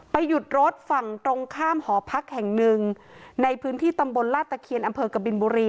หยุดรถฝั่งตรงข้ามหอพักแห่งหนึ่งในพื้นที่ตำบลลาตะเคียนอำเภอกบินบุรี